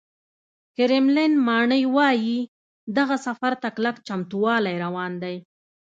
کرملین ماڼۍ وایي، دغه سفر ته کلک چمتووالی روان دی